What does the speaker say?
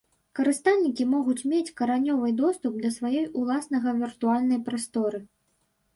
Карыстальнікі могуць мець каранёвай доступ да сваёй ўласнага віртуальнай прасторы.